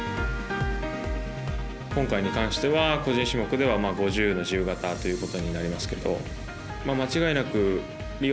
今回に関しては個人種目では５０の自由形ということになりますけど間違いなくリオ